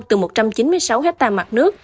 từ một trăm chín mươi sáu hectare mặt nước